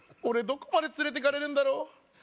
俺どこまで連れてかれるんだろう